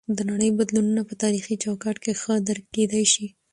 د نړۍ بدلونونه په تاریخي چوکاټ کې ښه درک کیدی شي.